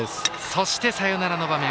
そしてサヨナラの場面